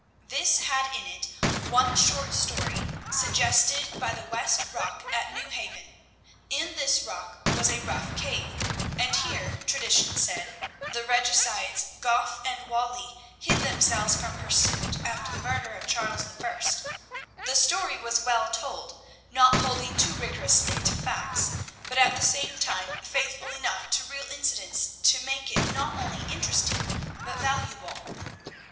This had in it one short story suggested by the West Rock at New Haven. In this rock was a rough cave, and here, tradition said, the regicides Goff and Whalley hid themselves from pursuit, after the murder of Charles I. The story was well told, not holding too rigorously to facts, but at the same time faithful enough to real incidents to make it not only interesting but valuable.